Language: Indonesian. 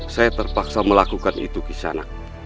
saya terpaksa melakukan itu kisanak